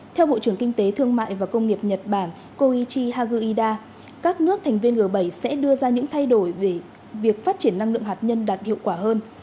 theo bộ trưởng kinh tế thương mại và công nghiệp nhật bản koichi haguida các nước thành viên g bảy sẽ đưa ra những thay đổi về việc phát triển năng lượng hạt nhân đạt hiệu quả hơn